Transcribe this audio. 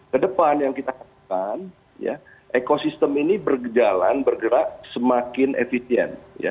kedepan yang kita katakan ekosistem ini bergerak semakin efisien